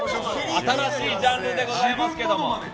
新しいジャンルでございますけども。